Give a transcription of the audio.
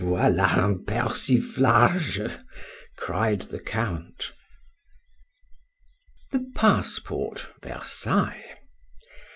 — Voilà un persiflage! cried the Count. THE PASSPORT. VERSAILLES.